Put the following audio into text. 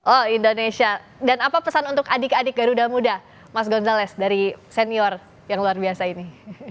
oh indonesia dan apa pesan untuk adik adik garuda muda mas gonzalez dari senior yang luar biasa ini